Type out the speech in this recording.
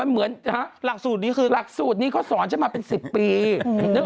ไม่ฝากสูตรนี้ฉันมันเหมือน